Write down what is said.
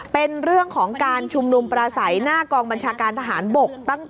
เป็นเรื่องของการชุมนุมประสัยหน้ากองบัญชาการทหารบก